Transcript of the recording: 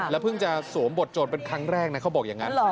เพิ่งจะสวมบทโจรเป็นครั้งแรกนะเขาบอกอย่างนั้น